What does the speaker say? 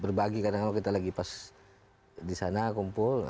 berbagi kadang kadang kalau kita lagi pas di sana kumpul